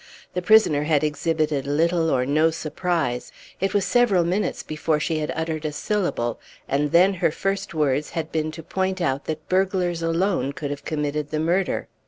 The prisoner had exhibited little or no surprise; it was several minutes before she had uttered a syllable; and then her first words had been to point out that burglars alone could have committed the murder.